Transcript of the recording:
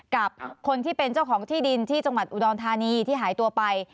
กับคนที่เป็นเจ้าของที่ดินที่จังหวัดอุดรธานีที่หายตัวไป